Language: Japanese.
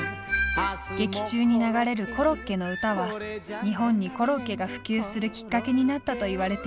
劇中に流れる「コロッケの唄」は日本にコロッケが普及するきっかけになったといわれています。